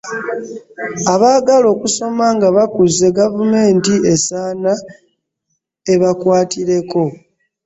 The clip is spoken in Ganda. Abaagala okusoma nga bakuze gavumenti esaana evakwatireko.